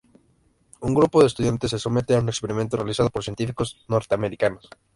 Un grupo de estudiantes se somete a un experimento realizado por científicos norteamericanos.